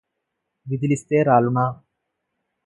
విదిలిస్తె రాలునా